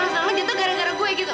kok kamu jadi marah marah kayak gitu sih